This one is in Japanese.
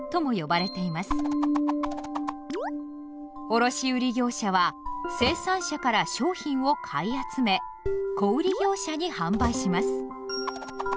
卸売業者は生産者から商品を買い集め小売業者に販売します。